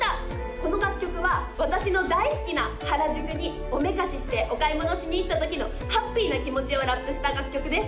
この楽曲は私の大好きな原宿におめかししてお買い物しに行った時のハッピーな気持ちをラップした楽曲です